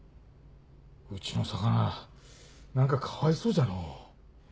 うちの魚何かかわいそうじゃのう。